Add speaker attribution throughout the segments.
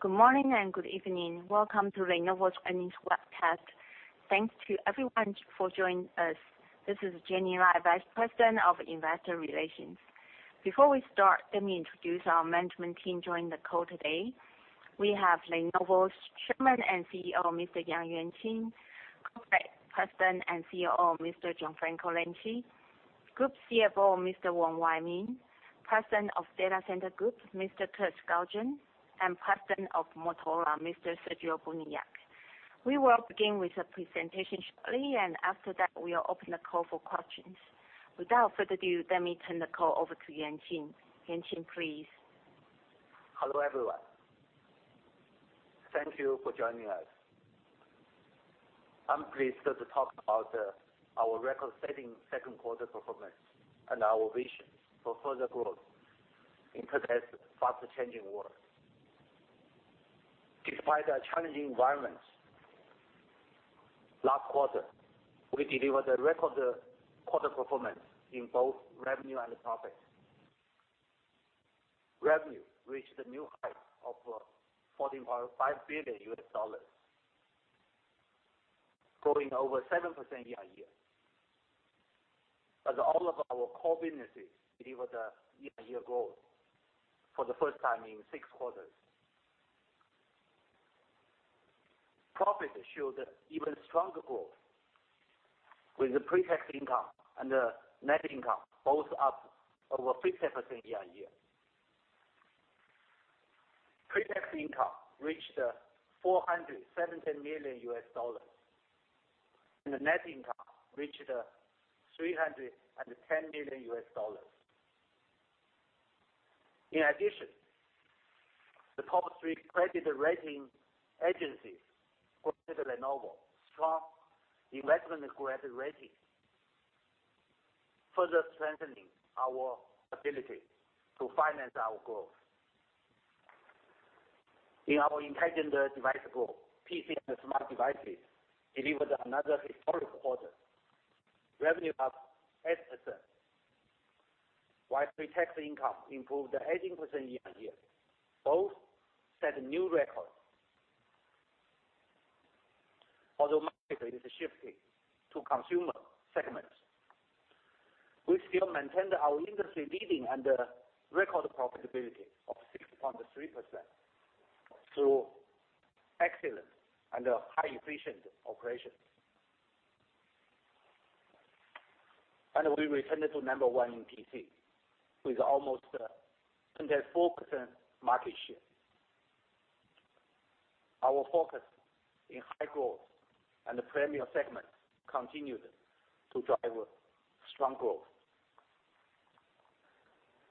Speaker 1: Good morning and good evening. Welcome to Lenovo's earnings webcast. Thanks to everyone for joining us. This is Jenny Lai, Vice President of Investor Relations. Before we start, let me introduce our management team joining the call today. We have Lenovo's Chairman and CEO, Mr. Yang Yuanqing; Group President and COO, Mr. Gianfranco Lanci; Group CFO, Mr. Wong Wai Ming; President of Data Center Group, Mr. Kirk Skaugen; and President of Motorola, Mr. Sergio Buniac. We will begin with a presentation shortly, and after that, we will open the call for questions. Without further ado, let me turn the call over to Yuanqing. Yuanqing, please.
Speaker 2: Hello, everyone. Thank you for joining us. I'm pleased to talk about our record-setting second quarter performance and our vision for further growth in today's fast-changing world. Despite a challenging environment last quarter, we delivered a record quarter performance in both revenue and profit. Revenue reached a new height of $14.5 billion, growing over 7% year-on-year. All of our core businesses delivered a year-on-year growth for the first time in six quarters. Profit showed even stronger growth, with the pre-tax income and the net income both up over 50% year-on-year. Pre-tax income reached $470 million, and the net income reached $310 million. In addition, the top three credit rating agencies granted Lenovo strong investment-grade rating, further strengthening our ability to finance our growth. In our Intelligent Devices Group, PC and Smart Devices delivered another historic quarter. Revenue up 8%, while pre-tax income improved 18% year-on-year. Both set a new record. Although market is shifting to consumer segments, we still maintained our industry leading and record profitability of 6.3% through excellent and high efficient operations. We returned to number one in PC with almost 24% market share. Our focus in high growth and the premium segments continued to drive strong growth.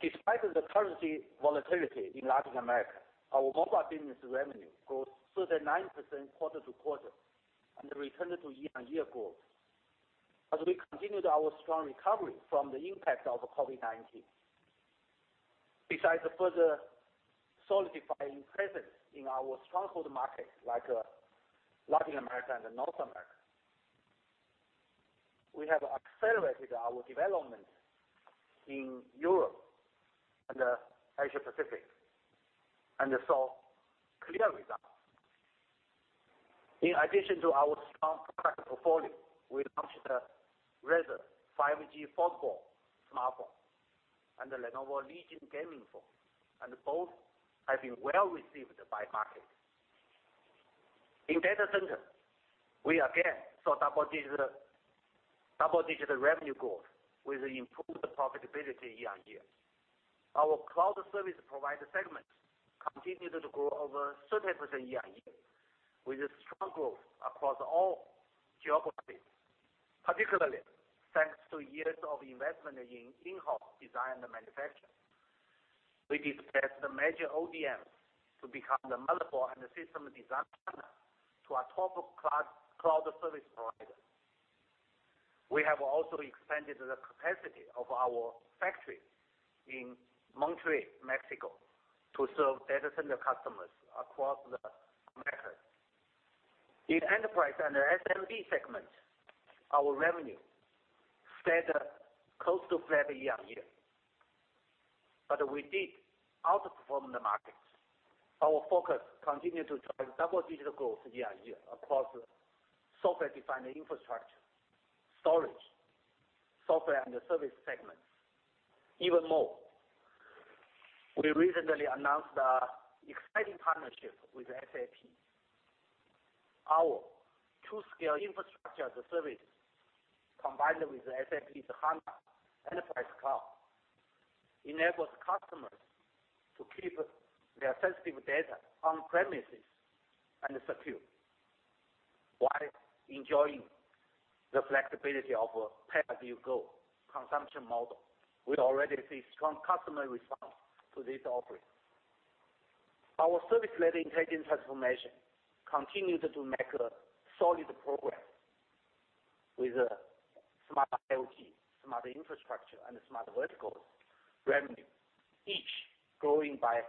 Speaker 2: Despite the currency volatility in Latin America, our mobile business revenue grew 39% quarter-to-quarter and returned to year-on-year growth as we continued our strong recovery from the impact of COVID-19. Besides further solidifying presence in our stronghold markets like Latin America and North America, we have accelerated our development in Europe and Asia Pacific and saw clear results. In addition to our strong product portfolio, we launched the Razr 5G phone and the Lenovo Legion gaming phone. Both have been well-received by market. In data center, we again saw double-digit revenue growth with improved profitability year-on-year. Our cloud service provider segment continued to grow over 30% year-on-year, with strong growth across all geographies, particularly thanks to years of investment in in-house design and manufacturing. We displaced the major ODMs to become the motherboard and system design partner to a top cloud service provider. We have also expanded the capacity of our factory in Monterrey, Mexico, to serve data center customers across the Americas. In enterprise and SMB segments, our revenue stayed close to flat year-on-year. We did outperform the market. Our focus continued to drive double-digit growth year-on-year across software-defined infrastructure, storage, software and the service segments even more. We recently announced an exciting partnership with SAP. Our TruScale infrastructure as a service, combined with SAP's HANA Enterprise Cloud, enables customers to keep their sensitive data on premises and secure, while enjoying the flexibility of a pay-as-you-go consumption model. We already see strong customer response to this offering. Our service-led intelligent transformation continued to make a solid progress with smart IoT, smart infrastructure, and smart verticals revenue, each growing by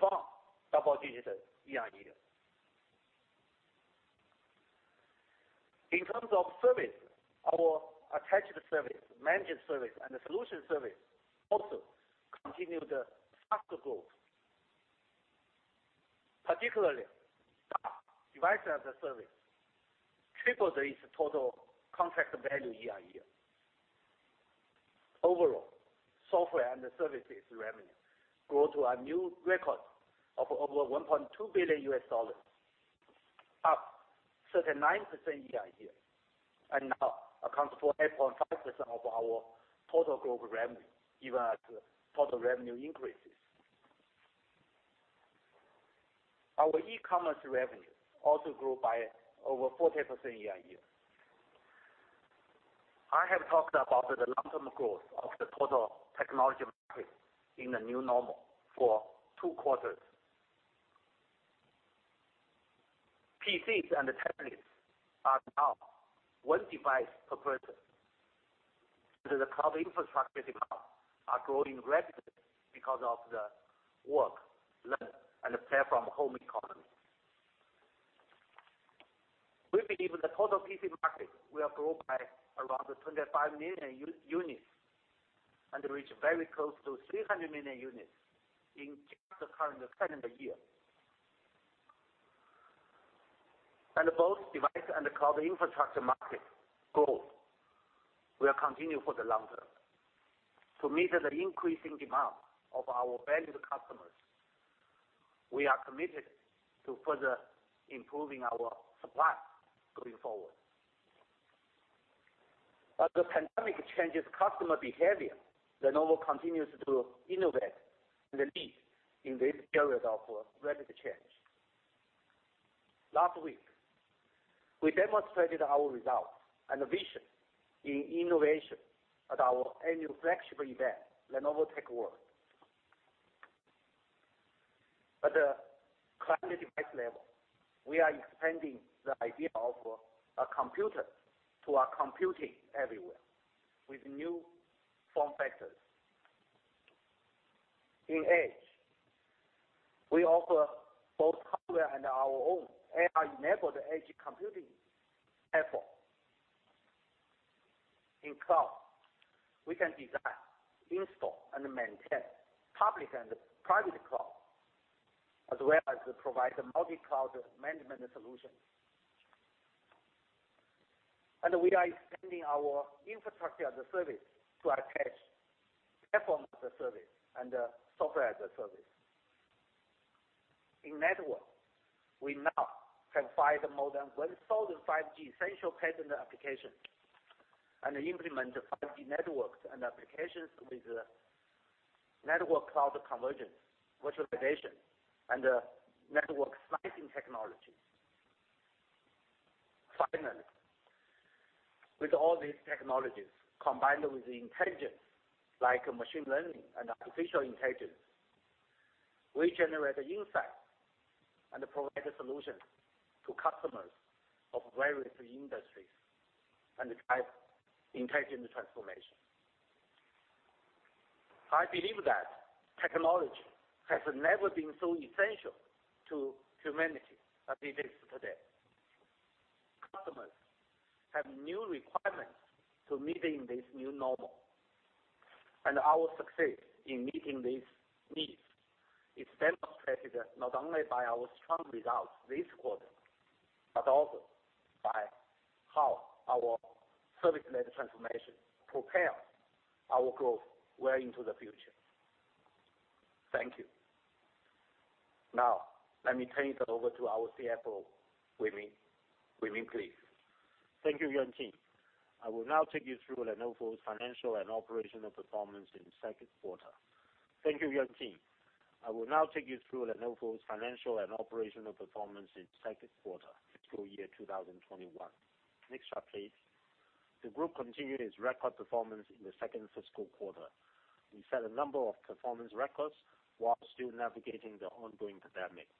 Speaker 2: strong double digits year-on-year. In terms of service, our attached service, managed service, and the solution service also continued the faster growth. Particularly, Device as a Service, triples its total contract value year-on-year. Overall, software and the services revenue grew to a new record of over $1.2 billion, up 39% year-on-year, and now accounts for 8.5% of our total global revenue, even as total revenue increases. Our e-commerce revenue also grew by over 40% year-on-year. I have talked about the long-term growth of the total technology market in the new normal for two quarters. PCs and tablets are now one device per person. The cloud infrastructure is growing rapidly because of the work, learn, and play from home economy. We believe the total PC market will grow by around 25 million units and reach very close to 300 million units in just the current calendar year. Both device and cloud infrastructure market growth will continue for the long term. To meet the increasing demand of our valued customers, we are committed to further improving our supply going forward. As the pandemic changes customer behavior, Lenovo continues to innovate and lead in this period of rapid change. Last week, we demonstrated our results and vision in innovation at our annual flagship event, Lenovo Tech World. At the client device level, we are expanding the idea of a computer to our computing everywhere with new form factors. In Edge, we offer both hardware and our own AI-enabled edge computing platform. In cloud, we can design, install, and maintain public and private cloud, as well as provide multi-cloud management solutions. We are expanding our infrastructure as a service to attach platform as a service and software as a service. In network, we now can file more than 1,000 5G essential patent applications and implement 5G networks and applications with network cloud conversion, virtualization, and network slicing technology. Finally, with all these technologies, combined with intelligence like machine learning and artificial intelligence, we generate insight and provide solutions to customers of various industries and drive intelligent transformation. I believe that technology has never been so essential to humanity as it is today. Customers have new requirements to meeting this new normal. Our success in meeting these needs is demonstrated not only by our strong results this quarter, but also by how our service-led transformation prepares our growth well into the future. Thank you. Now, let me turn it over to our CFO, Wai Ming, Wai Ming please.
Speaker 3: Thank you, Yuanqing. I will now take you through Lenovo's financial and operational performance in the second quarter. Thank you, Yuanqing. I will now take you through Lenovo's financial and operational performance in the second quarter fiscal year 2021. Next chart, please. The group continued its record performance in the second fiscal quarter. We set a number of performance records while still navigating the ongoing pandemic.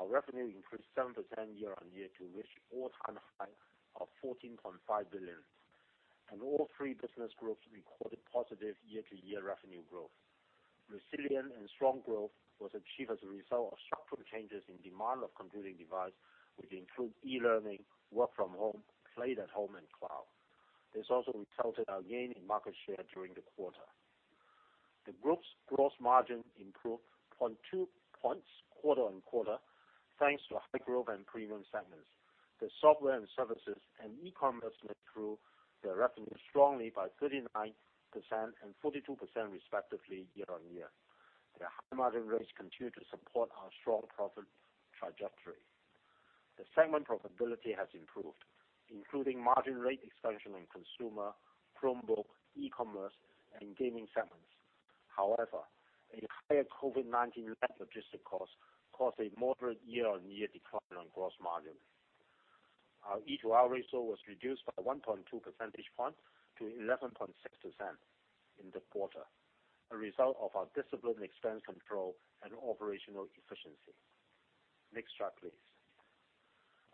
Speaker 3: Our revenue increased 7% year-on-year to reach all-time high of $14.5 billion. All three business groups recorded positive year-to-year revenue growth. Resilient and strong growth was achieved as a result of structural changes in demand of computing device, which include e-learning, work from home, play at home, and cloud. This also resulted in a gain in market share during the quarter. The group's gross margin improved 0.2 points quarter-on-quarter thanks to high-growth and premium segments. The software and services and e-commerce grew their revenue strongly by 39% and 42% respectively year-on-year. Their high margin rates continue to support our strong profit trajectory. The segment profitability has improved, including margin rate expansion in consumer, Chromebook, e-commerce, and gaming segments. A higher COVID-19-led logistic cost caused a moderate year-on-year decline on gross margin. Our E/R ratio was reduced by 1.2 percentage points to 11.6% in the quarter, a result of our disciplined expense control and operational efficiency. Next chart, please.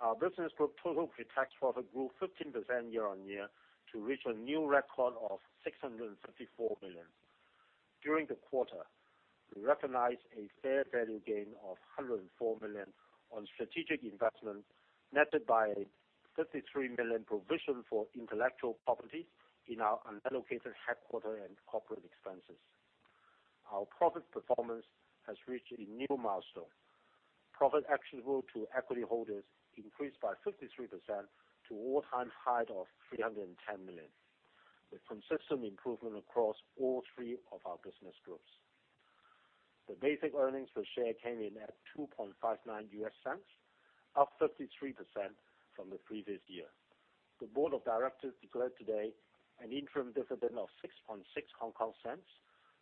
Speaker 3: Our business group total pretax profit grew 15% year-on-year to reach a new record of $654 million. During the quarter, we recognized a fair value gain of $104 million on strategic investment, netted by a $53 million provision for intellectual property in our unallocated headquarter and corporate expenses. Our profit performance has reached a new milestone. Profit attributable to equity holders increased by 53% to all-time high of $310 million, with consistent improvement across all three of our business groups. The basic earnings per share came in at $0.0259, up 33% from the previous year. The board of directors declared today an interim dividend of 0.066,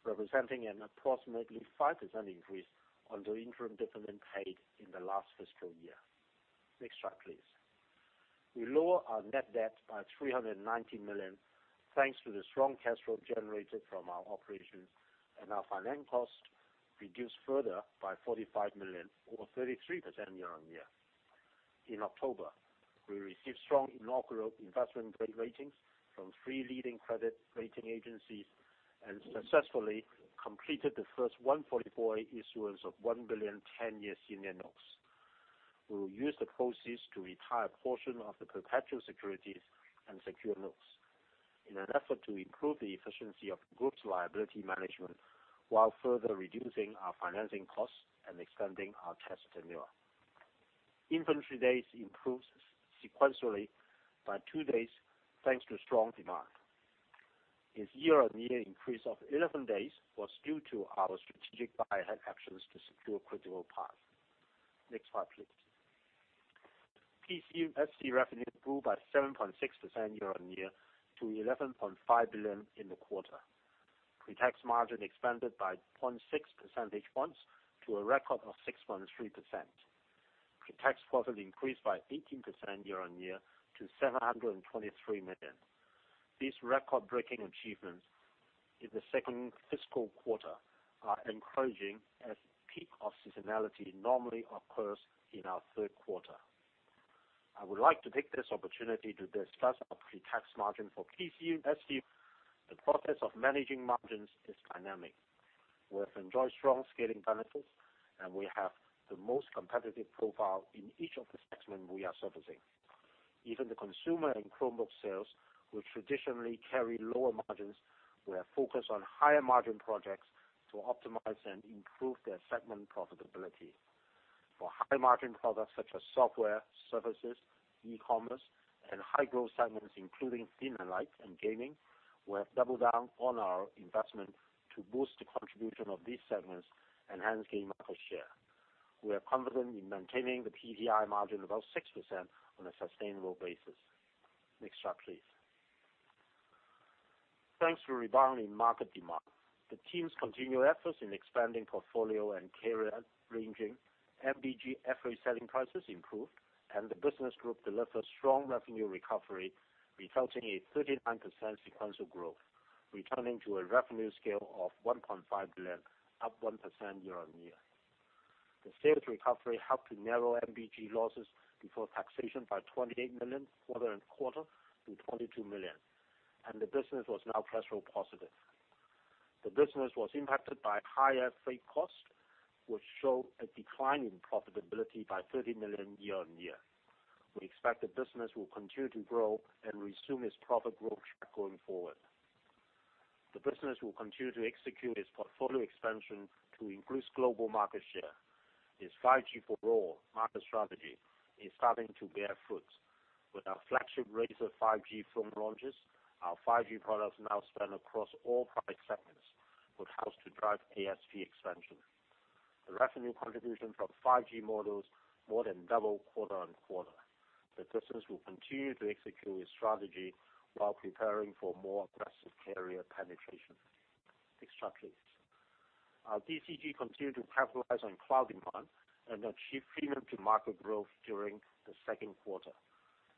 Speaker 3: representing an approximately 5% increase on the interim dividend paid in the last fiscal year. Next chart, please. We lower our net debt by $390 million, thanks to the strong cash flow generated from our operations, and our finance cost reduced further by $45 million or 33% year-on-year. In October, we received strong inaugural investment-grade ratings from three leading credit rating agencies and successfully completed the first 144A issuance of $1 billion 10-year senior notes. We will use the proceeds to retire a portion of the perpetual securities and secure notes in an effort to improve the efficiency of the group's liability management, while further reducing our financing costs and extending our test tenure. Inventory days improved sequentially by two days thanks to strong demand. Its year-on-year increase of 11 days was due to our strategic buy-ahead actions to secure critical parts. Next slide, please. PCSD revenue grew by 7.6% year-on-year to $11.5 billion in the quarter. Pre-tax margin expanded by 0.6 percentage points to a record of 6.3%. Pre-tax profit increased by 18% year-on-year to $723 million. This record-breaking achievement in the second fiscal quarter are encouraging, as peak of seasonality normally occurs in our third quarter. I would like to take this opportunity to discuss our pre-tax margin for PCSD. The process of managing margins is dynamic. We have enjoyed strong scaling benefits, and we have the most competitive profile in each of the segments we are servicing. Even the consumer and Chromebook sales, which traditionally carry lower margins, we are focused on higher-margin projects to optimize and improve their segment profitability. For high-margin products such as software, services, e-commerce, and high-growth segments including thin and light and gaming, we have doubled down on our investment to boost the contribution of these segments and hence gain market share. We are confident in maintaining the PTI margin above 6% on a sustainable basis. Next chart, please. Thanks to rebound in market demand, the team's continued efforts in expanding portfolio and carrier ranging, MBG average selling prices improved, and the business group delivered strong revenue recovery, resulting in 39% sequential growth, returning to a revenue scale of $1.5 billion, up 1% year-on-year. The sales recovery helped to narrow MBG losses before taxation by $28 million quarter-on-quarter to $22 million, and the business was now cash flow positive. The business was impacted by higher freight costs, which show a decline in profitability by $30 million year-on-year. We expect the business will continue to grow and resume its profit growth track going forward. The business will continue to execute its portfolio expansion to increase global market share. Its 5G for all market strategy is starting to bear fruit. With our flagship Razr 5G phone launches, our 5G products now span across all product segments, which helps to drive ASP expansion. The revenue contribution from 5G models more than doubled quarter-on-quarter. The business will continue to execute its strategy while preparing for more aggressive carrier penetration. Next chart, please. Our DCG continued to capitalize on cloud demand and achieved premium to market growth during the second quarter.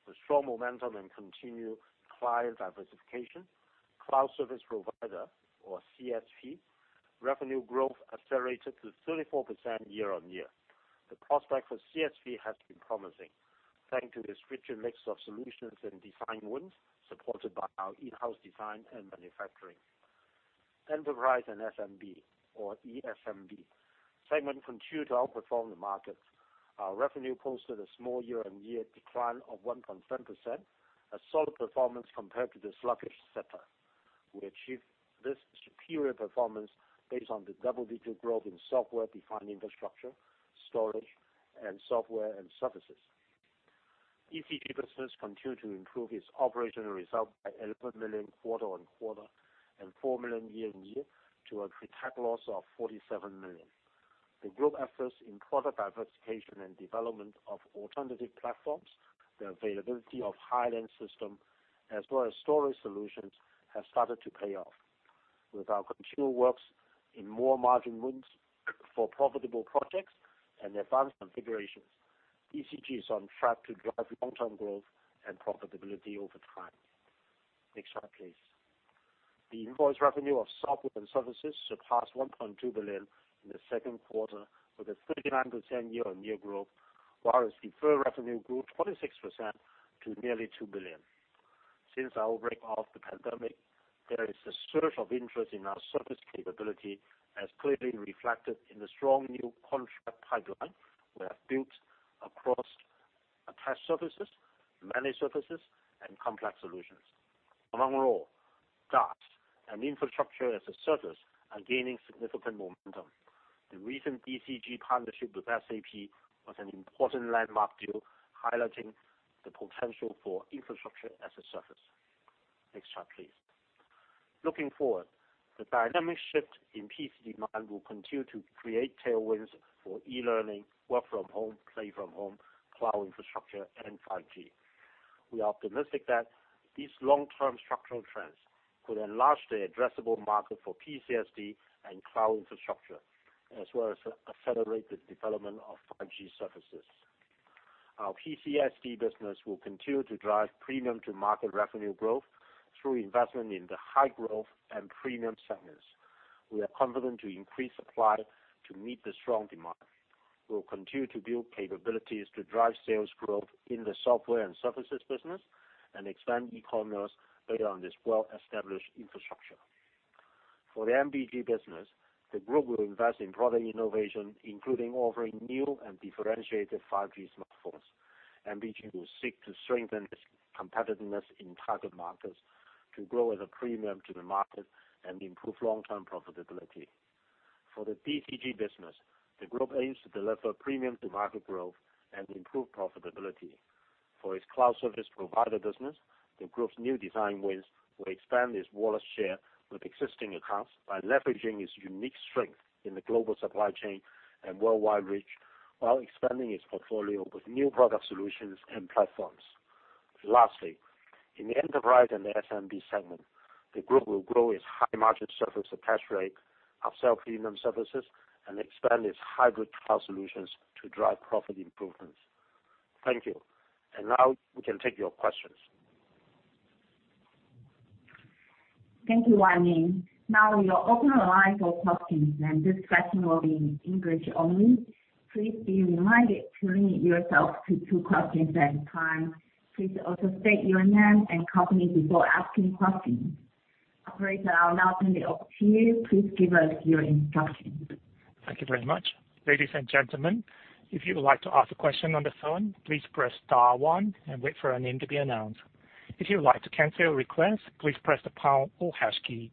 Speaker 3: With strong momentum and continued client diversification, cloud service provider or CSP revenue growth accelerated to 34% year-on-year. The prospect for CSP has been promising thanks to the richer mix of solutions and design wins supported by our in-house design and manufacturing. Enterprise and SMB or ESMB segment continued to outperform the market. Our revenue posted a small year-on-year decline of 1.7%, a solid performance compared to the sluggish sector. We achieved this superior performance based on the double-digit growth in software-defined infrastructure, storage, and software and services. DCG business continued to improve its operational result by $11 million quarter-on-quarter and $4 million year-on-year to a pre-tax loss of $47 million. The group efforts in product diversification and development of alternative platforms, the availability of high-end system as well as storage solutions have started to pay off. With our continued works in more margin wins for profitable projects and advanced configurations, DCG is on track to drive long-term growth and profitability over time. Next slide, please. The invoice revenue of software and services surpassed $1.2 billion in the second quarter with a 39% year-on-year growth, whereas deferred revenue grew 26% to nearly $2 billion. Since the outbreak of the pandemic, there is a surge of interest in our service capability, as clearly reflected in the strong new contract pipeline we have built across attached services, managed services, and complex solutions. Among all, DaaS and infrastructure as a service are gaining significant momentum. The recent DCG partnership with SAP was an important landmark deal highlighting the potential for infrastructure as a service. Next chart, please. Looking forward, the dynamic shift in PC demand will continue to create tailwinds for e-learning, work from home, play from home, cloud infrastructure, and 5G. We are optimistic that these long-term structural trends could enlarge the addressable market for PCSD and cloud infrastructure, as well as accelerate the development of 5G services. Our PCSD business will continue to drive premium to market revenue growth through investment in the high growth and premium segments. We are confident to increase supply to meet the strong demand. We will continue to build capabilities to drive sales growth in the software and services business and expand e-commerce based on this well-established infrastructure. For the MBG business, the group will invest in product innovation, including offering new and differentiated 5G smartphones. MBG will seek to strengthen its competitiveness in target markets to grow at a premium to the market and improve long-term profitability. For the DCG business, the group aims to deliver premium to market growth and improve profitability. For its cloud service provider business, the group's new design wins will expand its wallet share with existing accounts by leveraging its unique strength in the global supply chain and worldwide reach, while expanding its portfolio with new product solutions and platforms. Lastly, in the enterprise and the SMB segment, the group will grow its high-margin service attach rate of self-premium services and expand its hybrid cloud solutions to drive profit improvements. Thank you. Now we can take your questions.
Speaker 1: Thank you, Wai Ming. Now we will open the line for questions, and this session will be English only. Please be reminded to limit yourself to two questions at a time. Please also state your name and company before asking questions. Operator, I will now turn it over to you. Please give us your instructions.
Speaker 4: Thank you very much. Ladies and gentlemen, if you would like to ask a question on the phone, please press star one and wait for your name to be announced. If you want to cancel your request, please press the pound or hash key.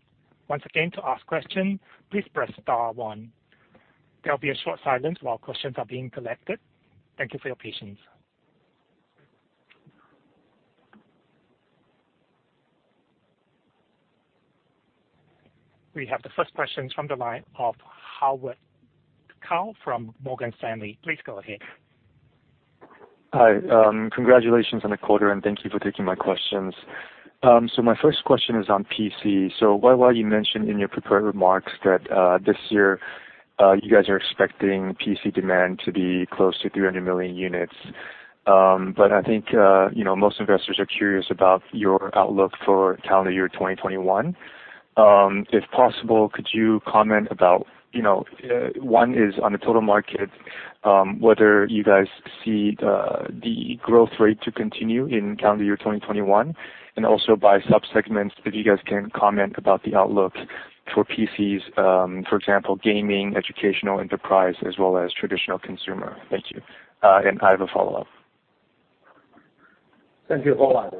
Speaker 4: Once again to ask a question, please press star one. There will be a short silence while questions are being collected, thank you for your patience. We have the first question from the line of Howard Kao from Morgan Stanley. Please go ahead.
Speaker 5: Hi. Congratulations on the quarter, thank you for taking my questions. My first question is on PC. YY, you mentioned in your prepared remarks that this year, you guys are expecting PC demand to be close to 300 million units. I think most investors are curious about your outlook for calendar year 2021. If possible, could you comment about, one is on the total market, whether you guys see the growth rate to continue in calendar year 2021, and also by sub-segments, if you guys can comment about the outlook for PCs, for example, gaming, educational, enterprise, as well as traditional consumer. Thank you. I have a follow-up.
Speaker 2: Thank you, Howard.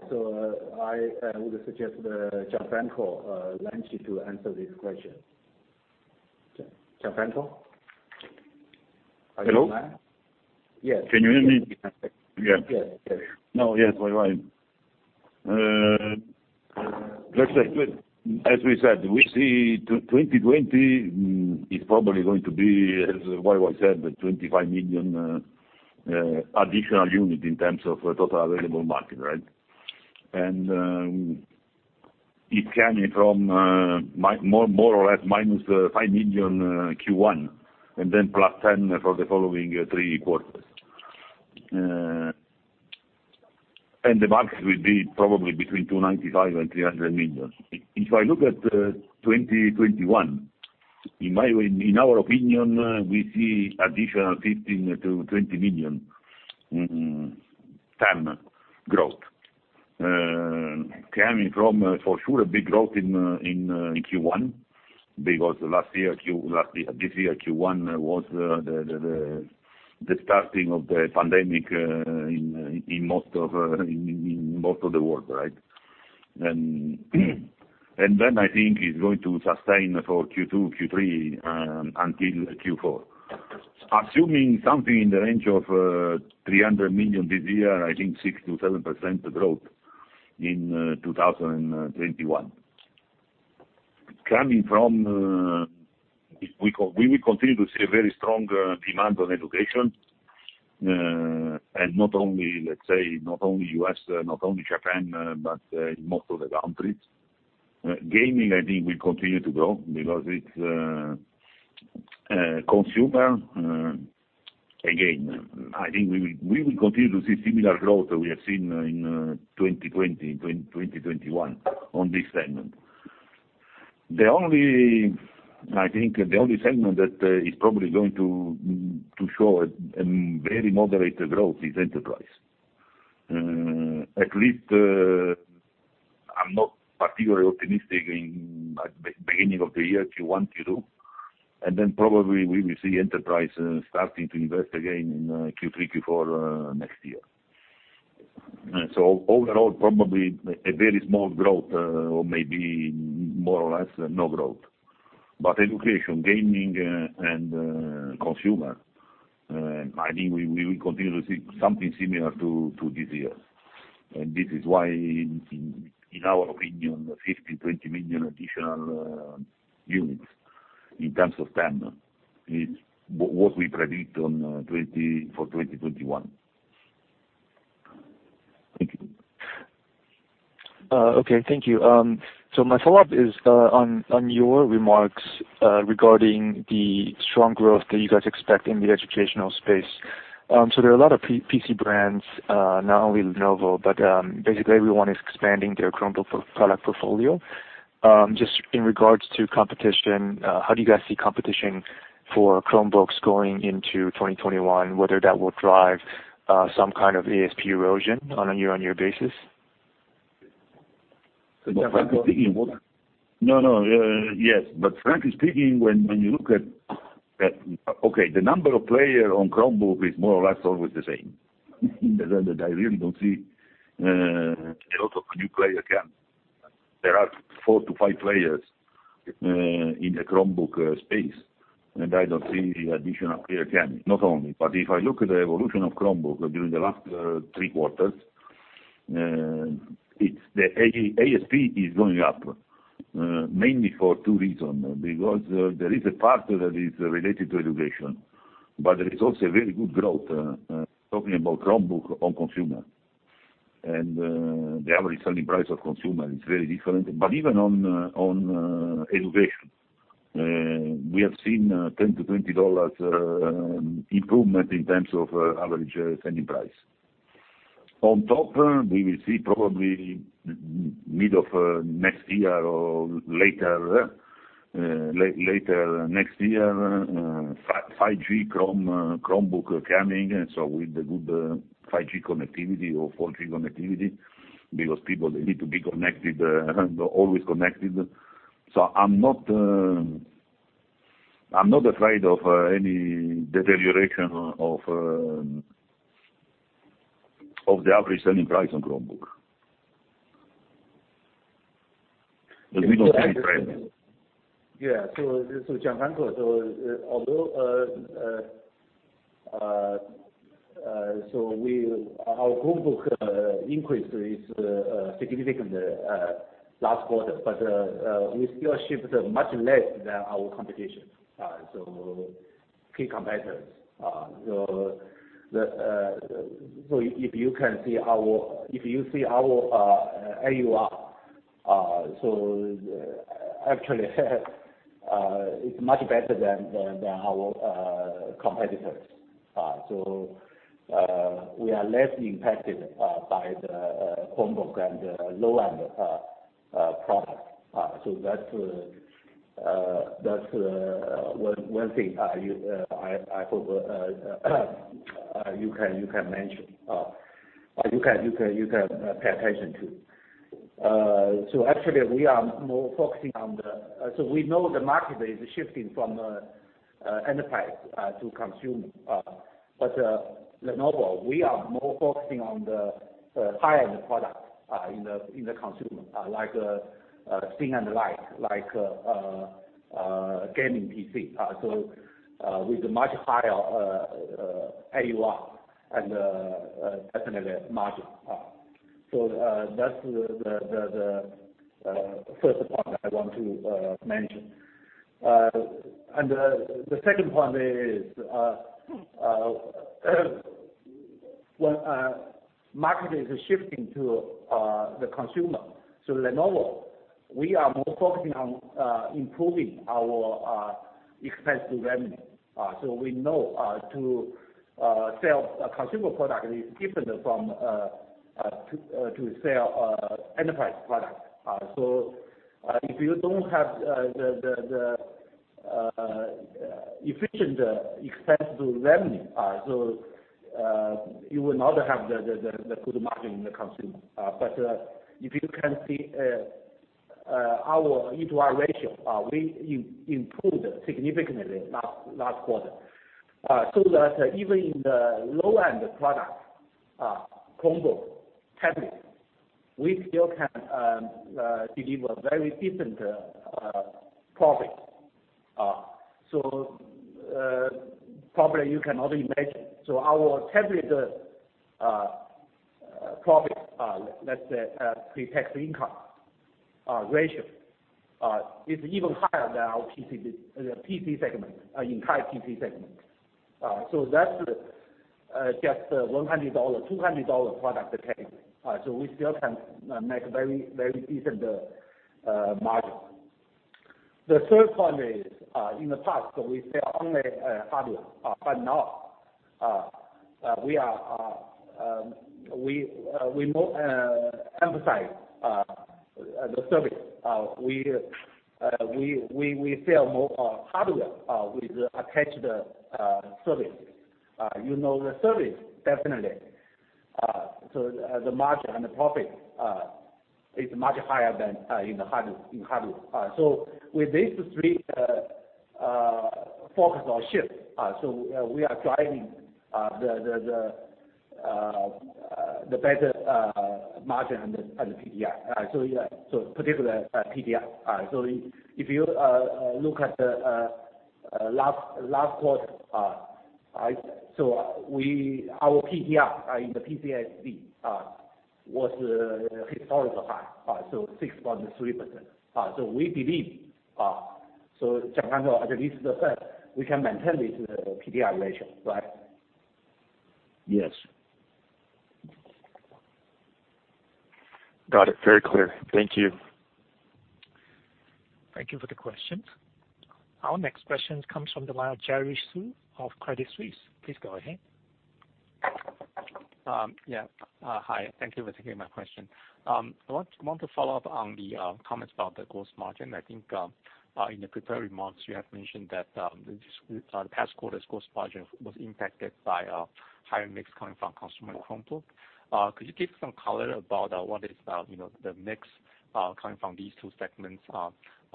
Speaker 2: I would suggest Gianfranco Lanci to answer this question. Gianfranco? Are you there?
Speaker 6: Hello?
Speaker 2: Yes.
Speaker 6: Can you hear me?
Speaker 2: Yes.
Speaker 6: Yes, YY. As we said, we see 2020 is probably going to be, as YY said, 25 million additional units in terms of total available market, right? It's coming from more or less -5 million Q1, then +10 million for the following three quarters. The market will be probably between 295 million and 300 million. If I look at 2021, in our opinion, we see additional 15 million-20 million TAM growth. Coming from, for sure, a big growth in Q1, because this year Q1 was the starting of the pandemic in most of the world, right? Then I think it's going to sustain for Q2, Q3, and until Q4. Assuming something in the range of 300 million this year, I think 6%-7% growth in 2021. Coming from, we will continue to see a very strong demand on education. Not only, let's say, not only U.S., not only Japan, but most of the countries. Gaming, I think, will continue to grow because it's consumer. I think we will continue to see similar growth that we have seen in 2020, 2021 on this segment. I think the only segment that is probably going to show a very moderated growth is enterprise. At least, I'm not particularly optimistic in beginning of the year Q1, Q2, and then probably we will see enterprise starting to invest again in Q3, Q4 next year. Overall, probably a very small growth, or maybe more or less no growth. Education, gaming, and consumer, I think we will continue to see something similar to this year. This is why, in our opinion, 50, 20 million additional units in terms of TAM is what we predict for 2021. Thank you.
Speaker 5: Okay, thank you. My follow-up is on your remarks regarding the strong growth that you guys expect in the educational space. There are a lot of PC brands, not only Lenovo, but basically everyone is expanding their Chromebook product portfolio. Just in regards to competition, how do you guys see competition for Chromebooks going into 2021, whether that will drive some kind of ASP erosion on a year-on-year basis?
Speaker 6: Frankly speaking, when you look at the number of players on Chromebook is more or less always the same. I really don't see a lot of new players can. There are four to five players in the Chromebook space. I don't see additional players can, not only. If I look at the evolution of Chromebook during the last three quarters, the ASP is going up, mainly for two reasons. There is a part that is related to education. There is also very good growth, talking about Chromebook on consumer. The average selling price of consumer is very different. Even on education, we have seen $10-$20 improvement in terms of average selling price. On top, we will see probably mid of next year or later next year, 5G Chromebook coming. With the good 5G connectivity or 4G connectivity, because people they need to be always connected. I'm not afraid of any deterioration of the average selling price on Chromebook. We don't see any trend.
Speaker 2: Yeah. Gianfranco, our Chromebook increase is significant last quarter, but we still shipped much less than our competition, key competitors. If you see our AUR, actually it's much better than our competitors. We are less impacted by the Chromebook and the low-end product. That's one thing I hope you can pay attention to. Actually, we know the market is shifting from enterprise to consumer. At Lenovo, we are more focusing on the high-end product in the consumer, like thin and light, like gaming PC, with much higher AUR and definitely margin. That's the first point I want to mention. The second point is, when market is shifting to the consumer, so Lenovo, we are more focusing on improving our expense to revenue. We know to sell a consumer product is different from to sell enterprise product. If you don't have the efficient expense-to-revenue, you will not have the good margin in the consumer. If you can see our E/R ratio, we improved significantly last quarter. That even in the low-end product, Chromebook, tablet, we still can deliver very different profit. Probably you cannot imagine. Our tablet profit, let's say pre-tax income ratio, is even higher than our entire PC segment. That's just $100, $200 product tag. We still can make very different margin. The third one is, in the past, we sell only hardware. Now we emphasize the service. We sell more hardware with attached services. You know the service definitely. The margin and the profit is much higher than in the hardware. With these three focus on shift, we are driving the better margin and the PTI. Yeah, so particularly PTI. If you look at the last quarter, our PTI in the PCSD was a historical high, so 6.3%. We believe, so Gianfranco, at least the third, we can maintain this PTI ratio, right?
Speaker 6: Yes.
Speaker 5: Got it. Very clear. Thank you.
Speaker 4: Thank you for the question. Our next question comes from the line of Jerry Xu of Credit Suisse. Please go ahead.
Speaker 7: Yeah. Hi. Thank you for taking my question. I want to follow up on the comments about the gross margin. I think, in the prepared remarks, you have mentioned that the past quarter's gross margin was impacted by a higher mix coming from consumer Chromebook. Could you give some color about what is the mix coming from these two segments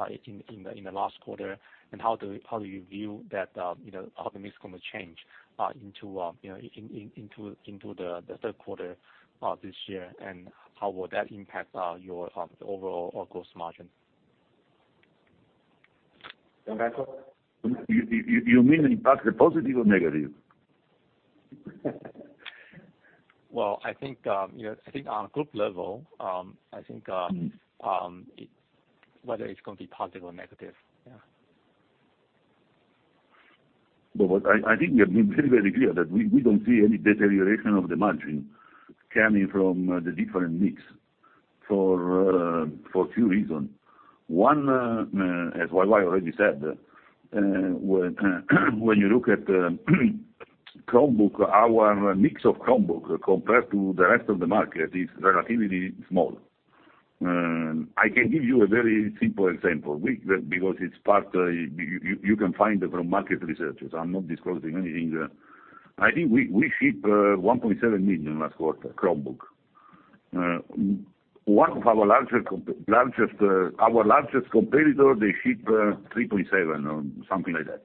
Speaker 7: in the last quarter, and how do you view how the mix is going to change into the third quarter of this year, and how will that impact your overall gross margin?
Speaker 2: Gianfranco?
Speaker 6: You mean impact the positive or negative?
Speaker 7: Well, I think, on a group level, I think, whether it's going to be positive or negative, yeah.
Speaker 6: What I think we have been very, very clear that we don't see any deterioration of the margin coming from the different mix for a few reasons. One, as YY already said, when you look at Chromebook, our mix of Chromebook compared to the rest of the market is relatively small. I can give you a very simple example, because it's part, you can find it from market researchers. I'm not disclosing anything. I think we shipped 1.7 million last quarter, Chromebook. One of our largest competitor, they ship 3.7 million or something like that.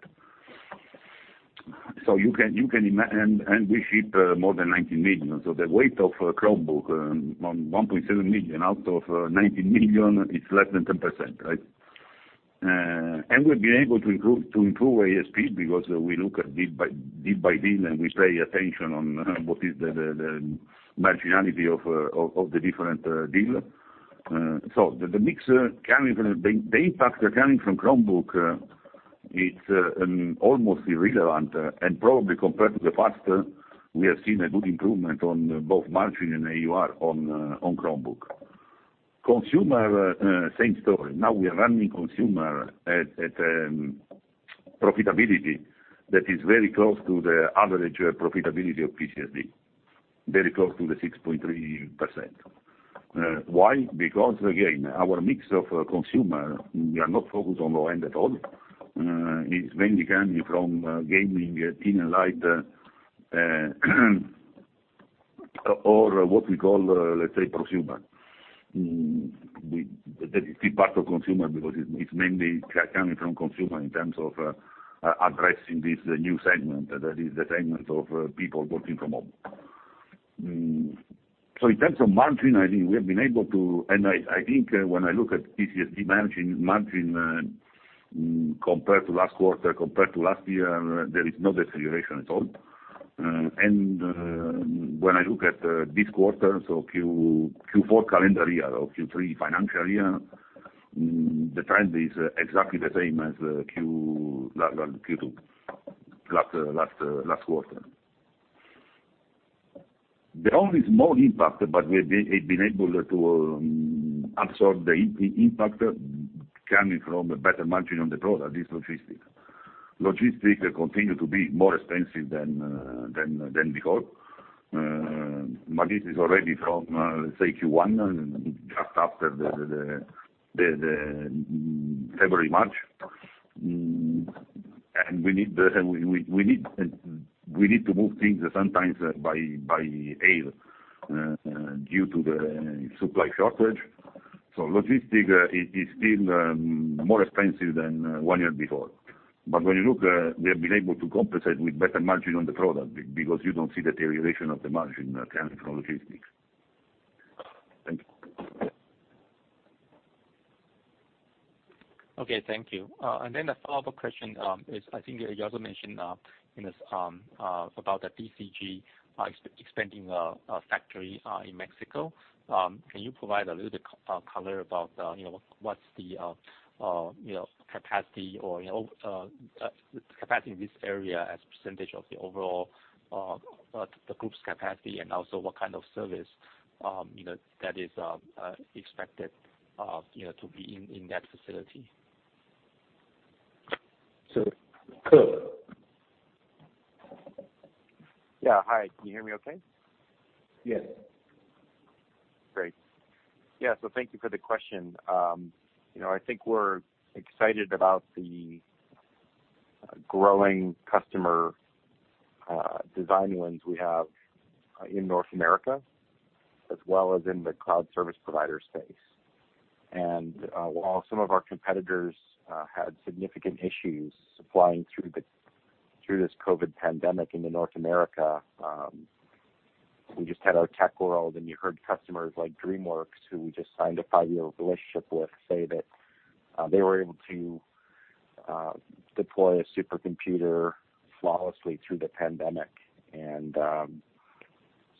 Speaker 6: We ship more than 19 million. The weight of Chromebook on 1.7 million out of 19 million is less than 10%, right? We've been able to improve ASP because we look at deal by deal, and we pay attention on what is the marginality of the different deal. The mix, the impact coming from Chromebook, it's almost irrelevant, and probably compared to the past, we have seen a good improvement on both margin and AUR on Chromebook. Consumer, same story. Now we are running consumer at profitability that is very close to the average profitability of PCSD. Very close to the 6.3%. Why? Again, our mix of consumer, we are not focused on low end at all, is mainly coming from gaming, thin and light, or what we call, let's say, prosumer. That is still part of consumer because it's mainly coming from consumer in terms of addressing this new segment, that is the segment of people working from home. In terms of margin, I think when I look at PCSD margin compared to last quarter, compared to last year, there is no deterioration at all. When I look at this quarter, so Q4 calendar year or Q3 financial year, the trend is exactly the same as Q2, last quarter. The only small impact, but we've been able to absorb the impact coming from better margin on the product is logistics. Logistics continue to be more expensive than before. This is already from, let's say Q1, just after the February, March. We need to move things sometimes by air, due to the supply shortage. Logistics is still more expensive than one year before. When you look, we have been able to compensate with better margin on the product because you don't see deterioration of the margin coming from logistics.
Speaker 7: Thank you. Okay. Thank you. Then a follow-up question is, I think you also mentioned about the DCG expanding a factory in Mexico. Can you provide a little bit color about what's the capacity in this area as percentage of the overall, the group's capacity, and also what kind of service that is expected to be in that facility?
Speaker 2: Kirk.
Speaker 8: Yeah. Hi, can you hear me okay?
Speaker 2: Yes.
Speaker 8: Great. Yeah, thank you for the question. I think we're excited about the growing customer design wins we have in North America, as well as in the cloud service provider space. While some of our competitors had significant issues supplying through this COVID pandemic into North America, we just had our Tech World, and you heard customers like DreamWorks, who we just signed a five-year relationship with, say that they were able to deploy a supercomputer flawlessly through the pandemic.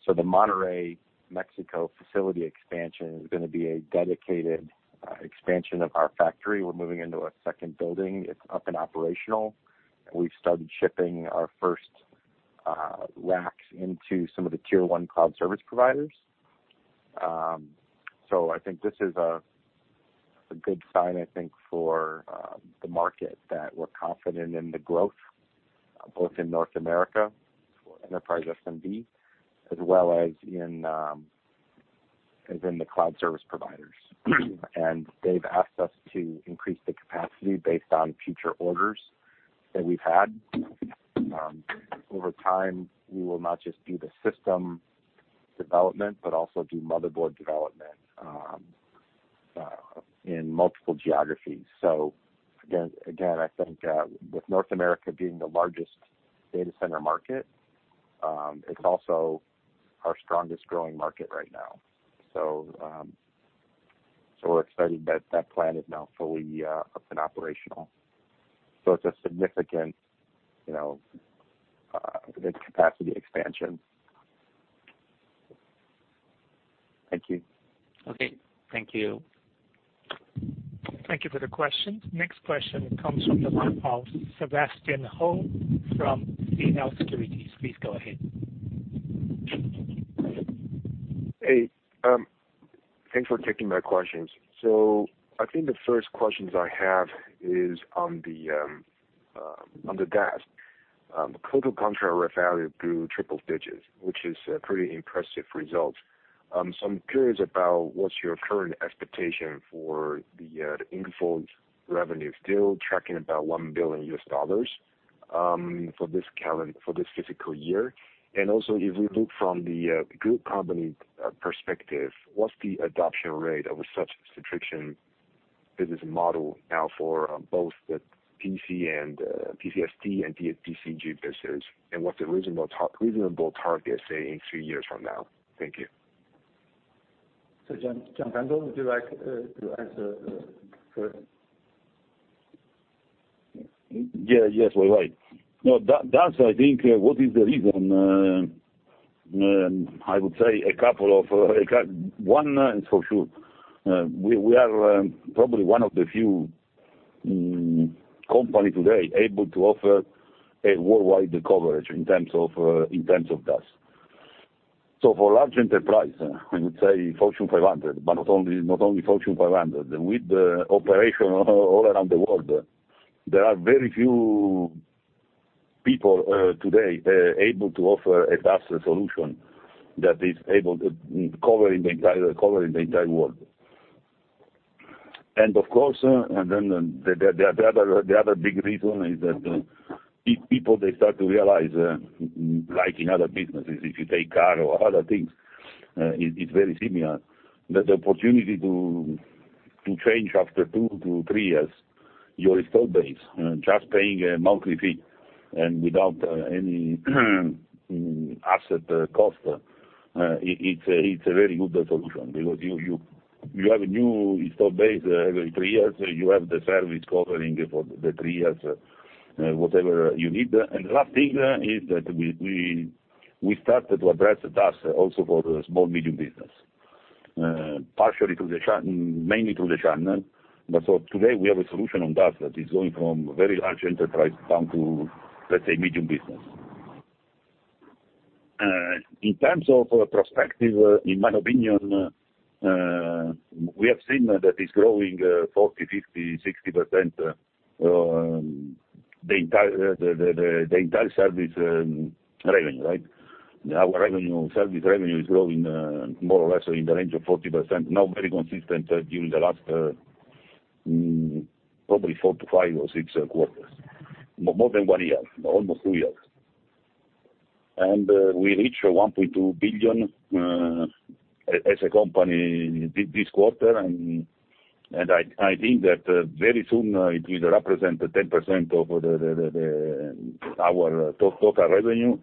Speaker 8: The Monterrey, Mexico facility expansion is going to be a dedicated expansion of our factory. We're moving into a second building. It's up and operational, and we've started shipping our first racks into some of the Tier 1 cloud service providers. I think this is a good sign, I think, for the market that we're confident in the growth, both in North America for Enterprise SMB, as well as in the cloud service providers. They've asked us to increase the capacity based on future orders that we've had. Over time, we will not just do the system development, but also do motherboard development in multiple geographies. Again, I think with North America being the largest Data Center market, it's also our strongest growing market right now. We're excited that that plant is now fully up and operational. It's a significant capacity expansion. Thank you.
Speaker 7: Okay. Thank you.
Speaker 4: Thank you for the question. Next question comes from the line of Sebastian Hou from CLSA Securities. Please go ahead.
Speaker 9: I think the first questions I have is on the DaaS. Total contract value grew triple digits, which is a pretty impressive result. I'm curious about what's your current expectation for the invoiced revenue. Still tracking about $1 billion, for this fiscal year? If we look from the group company perspective, what's the adoption rate of such a subscription business model now for both the PC and PCSD and DCG business, and what's the reasonable target, say, in two years from now? Thank you.
Speaker 2: Gianfranco, would you like to answer first?
Speaker 6: Yes, YY. DaaS, I think what is the reason, I would say one for sure. We are probably one of the few company today able to offer a worldwide coverage in terms of DaaS. For large enterprise, I would say Fortune 500, but not only Fortune 500, with the operation all around the world, there are very few people today able to offer a DaaS solution that is able to cover the entire world. Of course, the other big reason is that if people, they start to realize, like in other businesses, if you take car or other things, it's very similar. The opportunity to change after two to three years your install base, just paying a monthly fee and without any asset cost. It's a very good solution because you have a new install base every three years. You have the service covering for the three years, whatever you need. The last thing is that we started to address DaaS also for small-medium business, mainly through the channel. Today, we have a solution on DaaS that is going from very large enterprise down to, let's say, medium business. In terms of perspective, in my opinion, we have seen that it's growing 40%, 50%, 60% the entire service revenue, right? Our service revenue is growing more or less in the range of 40%, now very consistent during the last probably four to five or six quarters, more than one year, almost two years. We reach $1.2 billion as a company this quarter, and I think that very soon it will represent 10% of our total revenue.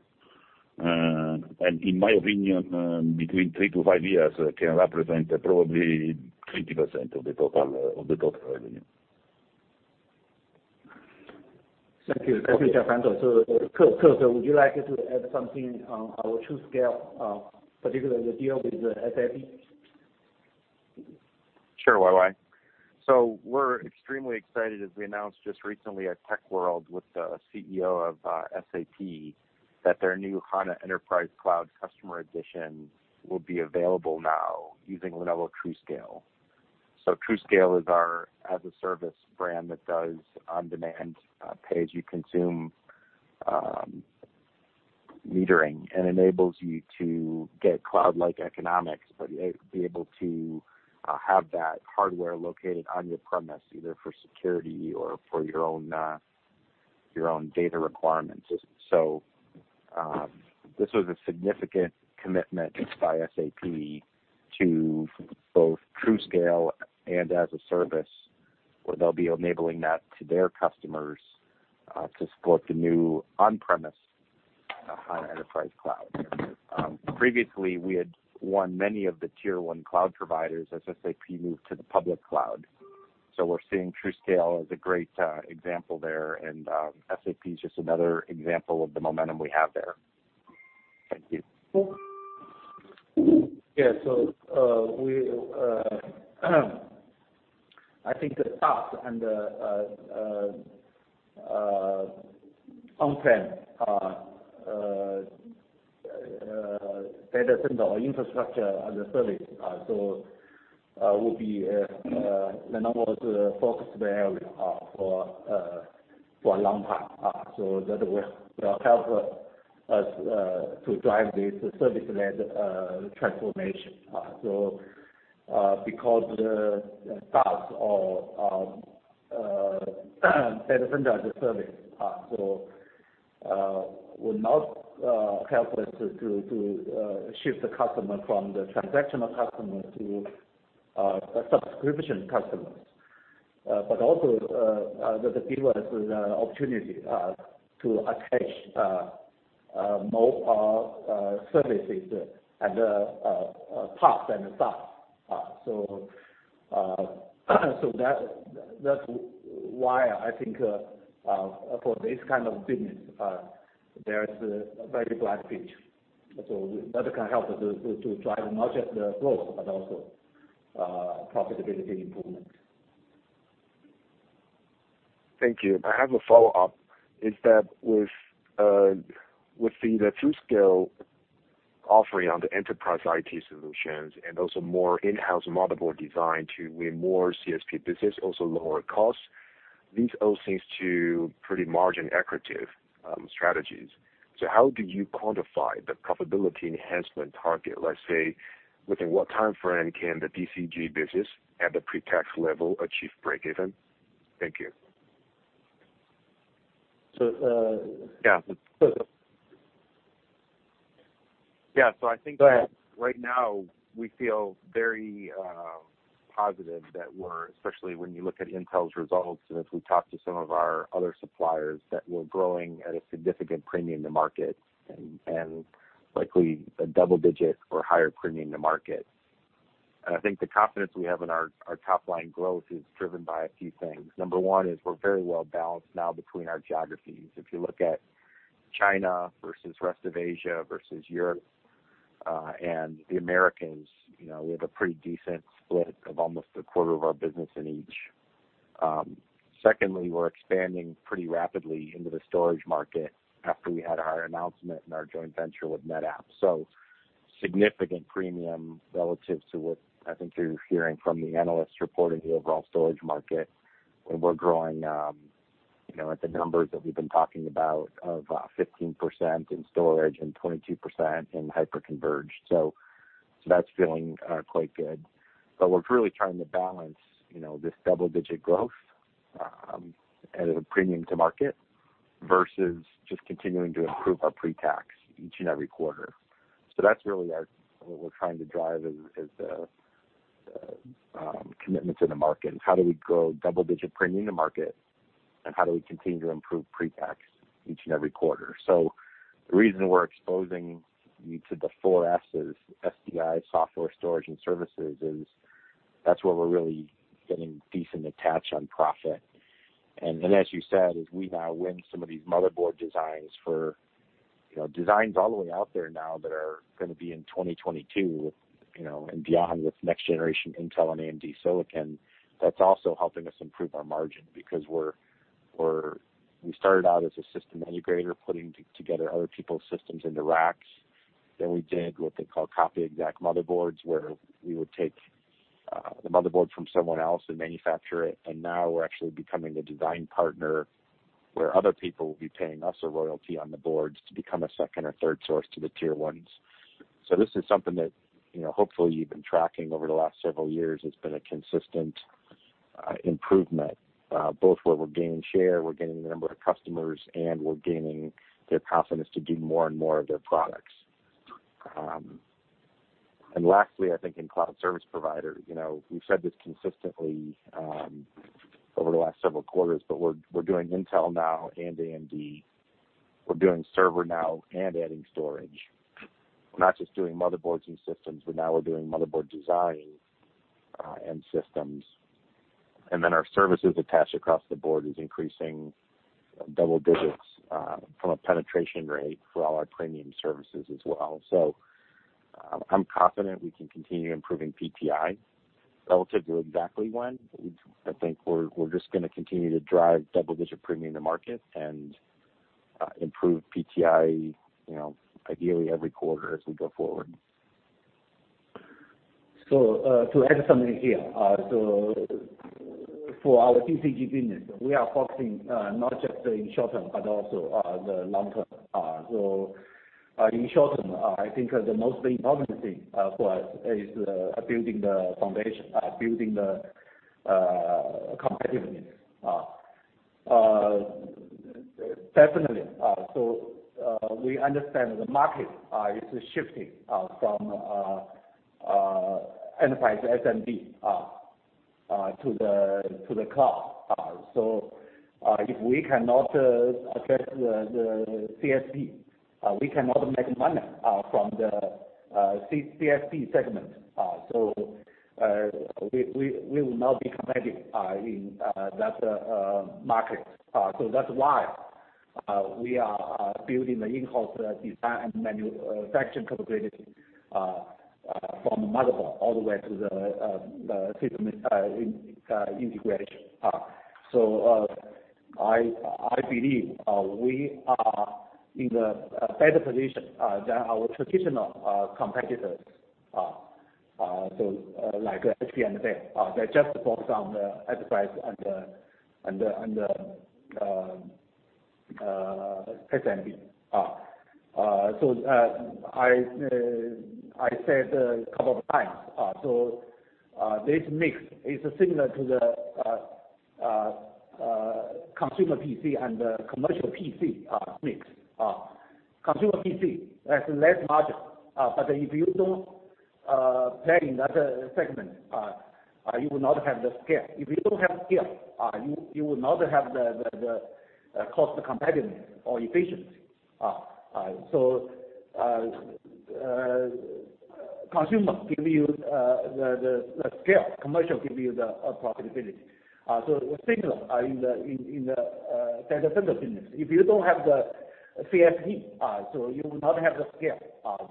Speaker 6: In my opinion, between three to five years, can represent probably 20% of the total revenue.
Speaker 2: Thank you, Gianfranco. Kirk, would you like to add something on our TruScale, particularly the deal with SAP?
Speaker 8: Sure, YY. We're extremely excited, as we announced just recently at Tech World with the CEO of SAP, that their new HANA Enterprise Cloud, customer edition will be available now using Lenovo TruScale. TruScale is our as-a-service brand that does on-demand pay-as-you-consume metering and enables you to get cloud-like economics, but be able to have that hardware located on your premise, either for security or for your own data requirements. This was a significant commitment by SAP to both TruScale and as a service, where they'll be enabling that to their customers to support the new on-premise HANA Enterprise Cloud. Previously, we had won many of the Tier 1 cloud providers as SAP moved to the public cloud. We're seeing TruScale as a great example there, and SAP is just another example of the momentum we have there. Thank you.
Speaker 2: Yeah. I think the SaaS and the on-prem data center or infrastructure as a service will be the number one focus area for a long time. That will help us to drive this service-led transformation. Because the SaaS or data center as a service will not help us to shift the customer from the transactional customer to a subscription customer. Also, that give us the opportunity to attach more services at the top and the side. That's why I think for this kind of business, there is a very bright pitch. That can help us to drive not just the growth, but also profitability improvement.
Speaker 9: Thank you. I have a follow-up. Is that with the TruScale offering on the enterprise IT solutions and also more in-house motherboard design to win more CSP business, also lower costs, these all seems to pretty margin accretive strategies. How do you quantify the profitability enhancement target? Let's say, within what time frame can the DCG business at the pre-tax level achieve breakeven? Thank you.
Speaker 8: So-
Speaker 9: Yeah.
Speaker 8: Yeah, so I think-
Speaker 2: Go ahead.
Speaker 8: Right now we feel very positive, especially when you look at Intel's results, and as we talk to some of our other suppliers, that we're growing at a significant premium to market, and likely a double digit or higher premium to market. I think the confidence we have in our top line growth is driven by a few things. Number one is we're very well balanced now between our geographies. If you look at China versus rest of Asia, versus Europe, and the Americas, we have a pretty decent split of almost a quarter of our business in each. Secondly, we're expanding pretty rapidly into the storage market after we had our announcement and our joint venture with NetApp. Significant premium relative to what I think you're hearing from the analysts reporting the overall storage market, and we're growing at the numbers that we've been talking about of 15% in storage and 22% in hyper-converged. That's feeling quite good. We're really trying to balance this double-digit growth, at a premium to market, versus just continuing to improve our pre-tax each and every quarter. That's really what we're trying to drive as a commitment to the market, and how do we grow double-digit premium to market, and how do we continue to improve pre-tax each and every quarter. The reason we're exposing you to the four S's, SDI, software, storage, and services is, that's where we're really getting decent attach on profit. As you said, as we now win some of these motherboard designs for designs all the way out there now that are going to be in 2022 and beyond with next generation Intel and AMD silicon, that is also helping us improve our margin because we started out as a system integrator, putting together other people's systems into racks. We did what they call copy-exact motherboards, where we would take the motherboard from someone else and manufacture it, and now we are actually becoming a design partner where other people will be paying us a royalty on the boards to become a second or third source to the tier ones. This is something that hopefully you have been tracking over the last several years. It has been a consistent improvement. Both where we're gaining share, we're gaining the number of customers, and we're gaining their confidence to do more and more of their products. Lastly, I think in cloud service provider, we've said this consistently over the last several quarters, we're doing Intel now and AMD. We're doing server now and adding storage. We're not just doing motherboards and systems, now we're doing motherboard design and systems. Our services attached across the board is increasing double digits from a penetration rate for all our premium services as well. I'm confident we can continue improving PTI. Relative to exactly when, I think we're just going to continue to drive double-digit premium to market and improve PTI ideally every quarter as we go forward.
Speaker 2: To add something here. For our DCG business, we are focusing not just in short term but also the long term. In short term, I think the most important thing for us is building the foundation, building the competitiveness. Definitely. We understand the market is shifting from Enterprise SMB to the cloud. If we cannot address the CSP, we cannot make money from the CSP segment. We will not be competitive in that market. That's why we are building the in-house design and manufacturing capabilities from motherboard, all the way to the system integration. I believe we are in a better position than our traditional competitors. Like HP and Dell, they just focus on the Enterprise and the SMB. I said a couple of times. This mix is similar to the consumer PC and the commercial PC mix. Consumer PC has less margin, but if you don't play in that segment, you will not have the scale. If you don't have scale, you will not have the cost competitiveness or efficiency. Consumer gives you the scale. Commercial gives you the profitability. Similar in the Data Center business. If you don't have the CSP, you will not have the scale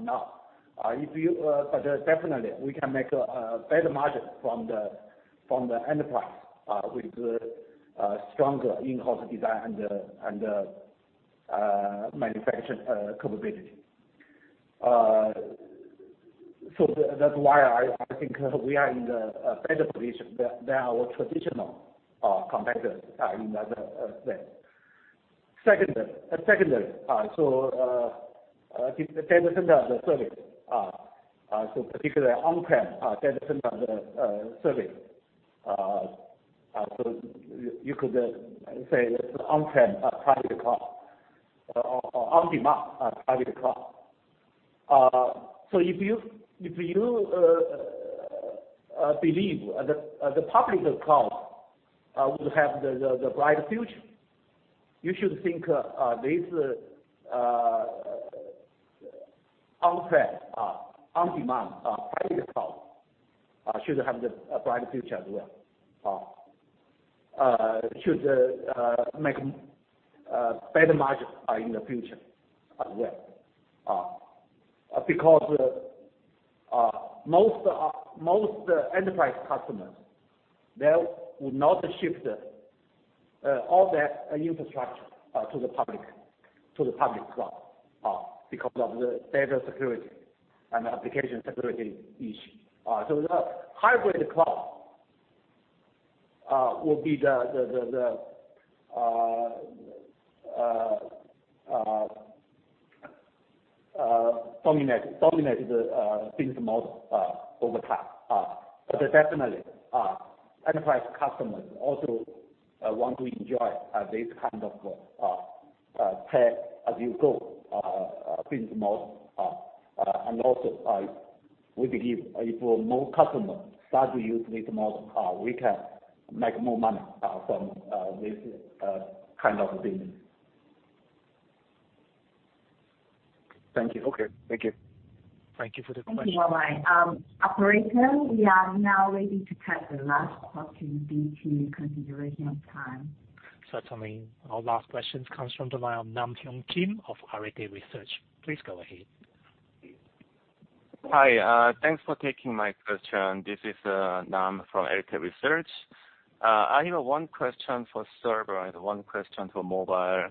Speaker 2: now. Definitely, we can make a better margin from the enterprise with stronger in-house design and manufacturing capability. That's why I think we are in a better position than our traditional competitors in that sense. Secondly, the Data Center, the service, particularly on-prem Data Center service. You could say on-prem private cloud or on-demand private cloud. If you believe the public cloud would have the bright future, you should think this on-prem, on-demand private cloud should have the bright future as well. Should make better margin in the future as well. Most enterprise customers, they would not shift all their infrastructure to the public cloud because of the data security and application security issue. The hybrid cloud will be the dominant business model over time. Definitely, enterprise customers also want to enjoy this kind of pay-as-you-go business model. We believe if more customers start to use this model, we can make more money from this kind of business.
Speaker 9: Thank you. Okay. Thank you.
Speaker 4: Thank you for the question.
Speaker 1: Thank you, YY. Operator, we are now ready to take the last question due to consideration of time.
Speaker 4: Certainly. Our last questions comes from the line of Nam Hyung Kim of Arete Research. Please go ahead.
Speaker 10: Hi. Thanks for taking my question. This is Nam from Arete Research. I have one question for server and one question for mobile.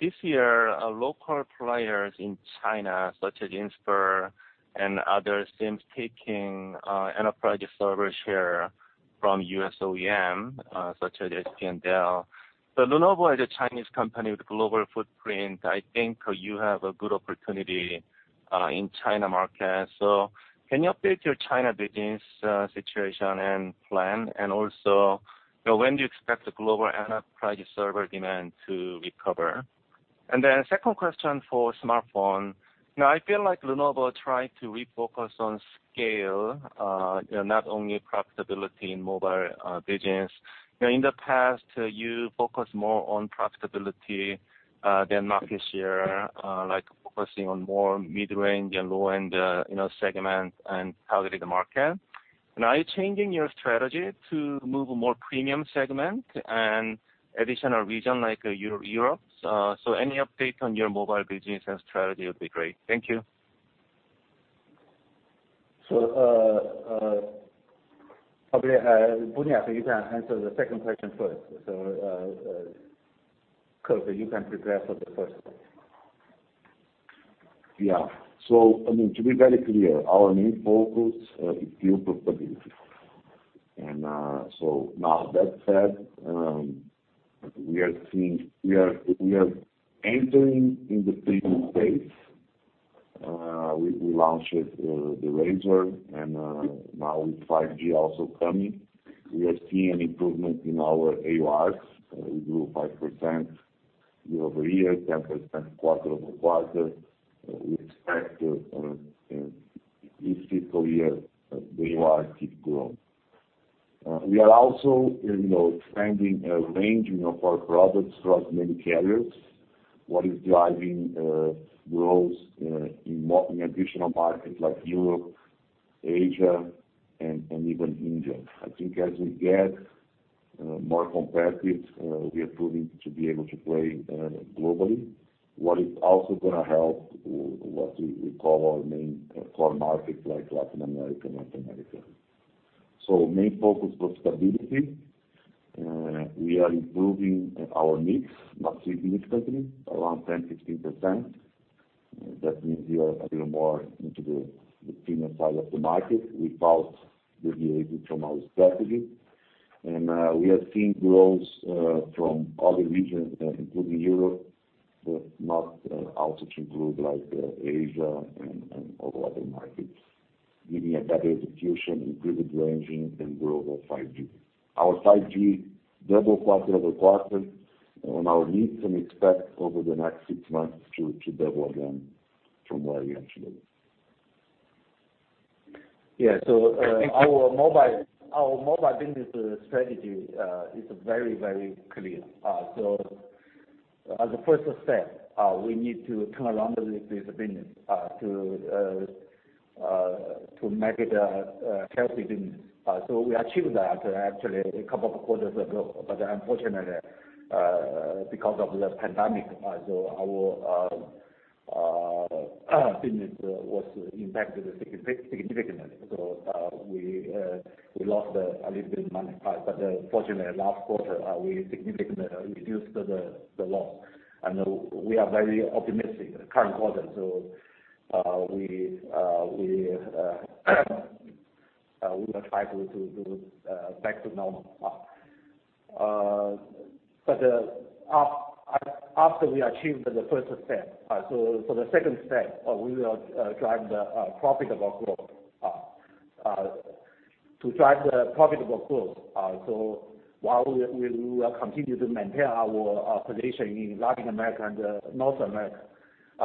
Speaker 10: This year, local players in China, such as Inspur and others, seem taking enterprise server share from U.S. OEM, such as HP and Dell. Lenovo as a Chinese company with global footprint, I think you have a good opportunity in China market. Also, when do you expect the global enterprise server demand to recover? Then second question for smartphone. Now I feel like Lenovo try to refocus on scale, not only profitability in mobile business. In the past, you focus more on profitability than market share, like focusing on more mid-range and low-end segments and targeting the market. Now you're changing your strategy to move more premium segment and additional region like Europe. Any update on your Mobile Business and strategy would be great. Thank you.
Speaker 2: Probably, Sergio, you can answer the second question first. Kirk, you can prepare for the first one.
Speaker 11: To be very clear, our main focus is still profitability. Now that said, we are entering in the premium space. We launched the Razr and now with 5G also coming, we are seeing an improvement in our AURs. We grew 5% year-over-year, 10% quarter-over-quarter. We expect this fiscal year, the AURs keep growing. We are also expanding a range of our products throughout many carriers. What is driving growth in additional markets like Europe, Asia, and even India. I think as we get more competitive, we are proving to be able to play globally. What is also going to help what we call our main core markets, like Latin America, North America. Main focus, profitability. We are improving our mix, [not sweeping], exactly, around 10%, 16%. That means we are a little more into the premium side of the market without deviating from our strategy. We are seeing growth from other regions, including Europe, but not also to include like Asia and all other markets, giving a better execution, improved ranging, and growth of 5G. Our 5G double quarter-over-quarter. Now we can expect over the next six months to double again from where we actually were.
Speaker 2: Yeah. Our mobile business strategy is very, very clear. As a first step, we need to turn around this business to make it a healthy business. We achieved that actually a couple of quarters ago. Unfortunately, because of the pandemic, our business was impacted significantly. We lost a little bit of money. Fortunately, last quarter, we significantly reduced the loss. We are very optimistic current quarter, we will try to go back to normal. After we achieved the first step, for the second step, we will drive the profitable growth. To drive the profitable growth, while we will continue to maintain our position in Latin America and North America,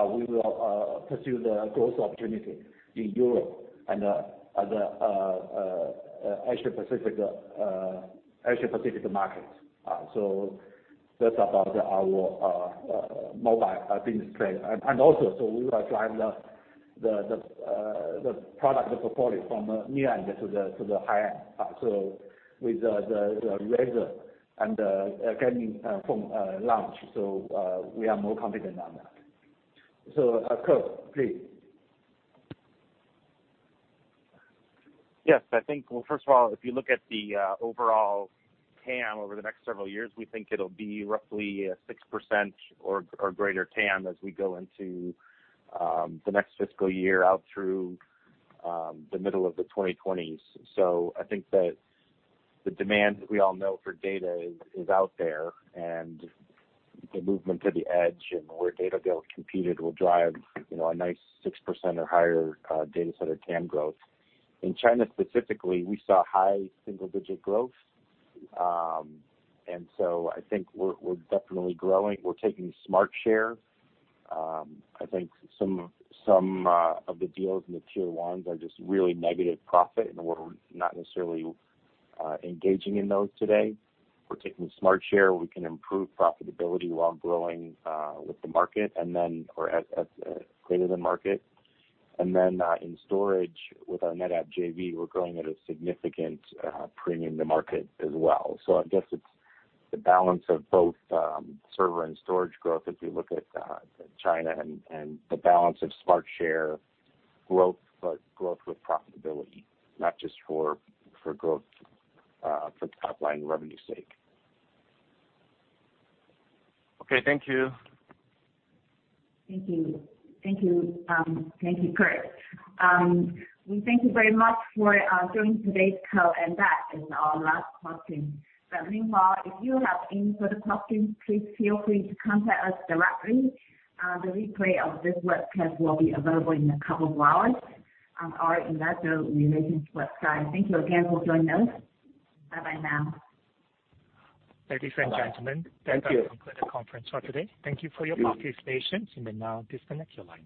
Speaker 2: we will pursue the growth opportunity in Europe and other Asia Pacific markets. That's about our mobile business plan. We will drive the product portfolio from the near end to the high end. With the Razr and the gaming phone launch, we are more confident on that. Kirk, please.
Speaker 8: Yes, I think, well, first of all, if you look at the overall TAM over the next several years, we think it'll be roughly 6% or greater TAM as we go into the next fiscal year out through the middle of the 2020s. I think that the demand that we all know for data is out there, and the movement to the edge and where data gets competed will drive a nice 6% or higher data center TAM growth. In China specifically, we saw high single-digit growth. I think we're definitely growing. We're taking smart share. I think some of the deals in the tier 1s are just really negative profit, and we're not necessarily engaging in those today. We're taking smart share. We can improve profitability while growing with the market and then, or as greater than market. In storage with our NetApp JV, we're growing at a significant premium to market as well. I guess it's the balance of both server and storage growth as we look at China and the balance of smart share growth, but growth with profitability, not just for growth for top-line revenue sake.
Speaker 10: Okay, thank you.
Speaker 1: Thank you. Thank you, Kirk. We thank you very much for joining today's call, and that is our last question. Meanwhile, if you have any further questions, please feel free to contact us directly. The replay of this webcast will be available in a couple of hours on our investor relations website. Thank you again for joining us. Bye-bye now.
Speaker 4: Ladies and gentlemen.
Speaker 2: Thank you.
Speaker 4: That does conclude the conference for today. Thank you for your participation. You may now disconnect your lines.